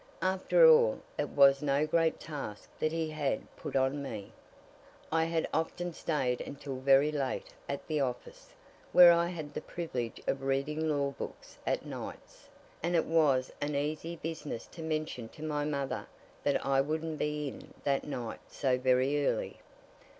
After all, it was no great task that he had put on me. I had often stayed until very late at the office, where I had the privilege of reading law books at nights, and it was an easy business to mention to my mother that I wouldn't be in that night so very early.